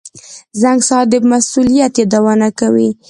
• زنګ ساعت د مسؤلیت یادونه کوي.